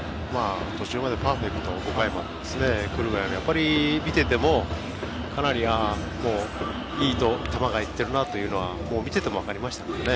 途中、５回までパーフェクトで来るくらいなのを見ていても、かなりいい球が行っているなというのは見ていても分かりましたからね。